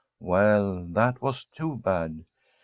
Well, that was too bad.